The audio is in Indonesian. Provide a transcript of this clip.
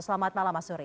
selamat malam mas suri